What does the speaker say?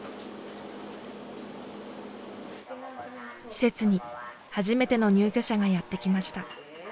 施設に初めての入居者がやってきました。